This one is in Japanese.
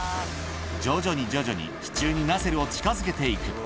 徐々に徐々に、支柱にナセルを近づけていく。